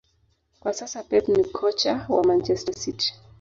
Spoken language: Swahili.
kwa sasa Pep ni kocha wa Manchester City